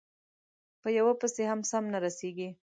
په یوه پسې هم سم نه رسېږي،